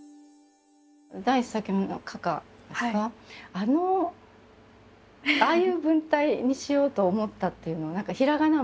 あのああいう文体にしようと思ったっていうのは何かひらがなも多かったり